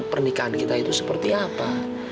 pernikahan kita itu seperti apa